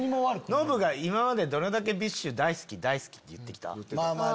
ノブが今までどれだけＢｉＳＨ大好きって言って来た？